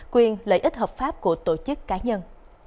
quyền lợi ích hợp pháp của tổ chức cá nhân